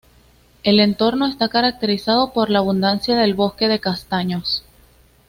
El entorno está caracterizado por la abundancia del bosque de castaños.